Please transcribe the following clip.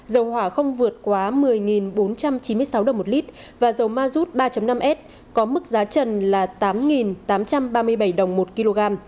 dầu hỏa không vượt quá một mươi bốn trăm chín mươi sáu đồng một lít và dầu mazut ba năm s có mức giá trần là tám tám trăm ba mươi bảy đồng một kg